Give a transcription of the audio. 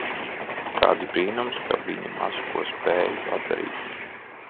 Kāds brīnums, ka viņa maz ko spēja padarīt?